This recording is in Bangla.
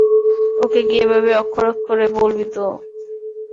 ওকে গিয়ে এভাবেই অক্ষরে অক্ষরে বলবি তো?